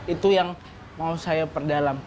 itu yang mau saya perdalam